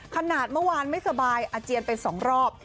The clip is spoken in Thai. ขนาดเมื่อวานไม่สบายอาเจียนไป๒รอบ